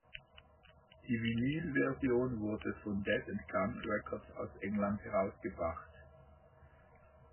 Die Vinylversion wurde von Dead and Gone Records aus England herausgebracht.